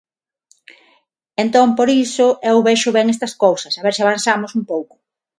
Entón por iso eu vexo ben estas cousas a ver se avanzamos un pouco.